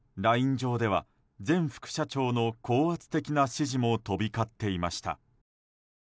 上では前副社長の高圧的な指示も飛び交っていました。